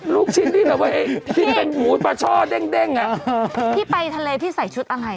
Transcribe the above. ลูกชิ้นที่แบบว่าที่เป็นหมูปลาช่อเด้งอ่ะพี่ไปทะเลพี่ใส่ชุดอะไร